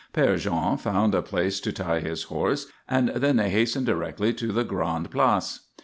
Père Jean found a place to tie his horse and then they hastened directly to the Grande Place.